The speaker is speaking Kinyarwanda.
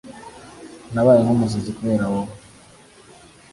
nabaye nk’umusazi kubera wowe